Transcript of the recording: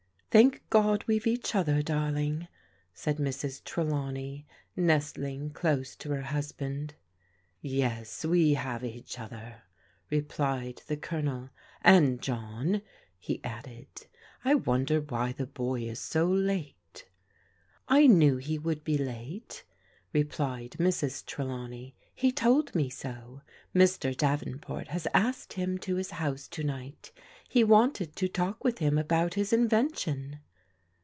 " Thank God we've each other, darling," said Mrs. Trelawney, nestling close to her husband. "Yes, we have each other," replied the Colonel,— " and John," he added. " I wonder why the boy is so late." " I knew he would be late," replied Mrs. Trelawney. " He told me so. Mr. Davenport has asked him to Ws house to night. He wanted to talk with him about his invention."